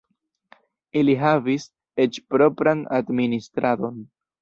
Ili havis eĉ propran administradon.